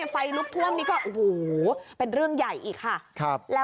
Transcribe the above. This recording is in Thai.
ไฟลุกท่วมก็โหเป็นเรื่องใหญ่อีกครับ